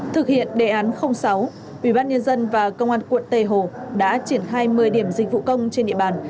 thực hiện đề án sáu ubnd và công an quận tây hồ đã triển khai một mươi điểm dịch vụ công trên địa bàn